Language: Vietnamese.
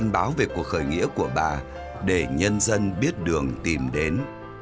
báo về cuộc khởi nghĩa của bà để nhân dân biết đường tìm đến